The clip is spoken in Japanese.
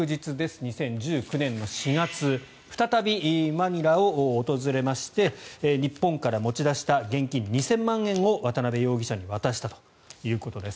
２０１９年４月再びマニラを訪れまして日本から持ち出した現金２０００万円を渡邉容疑者に渡したということです。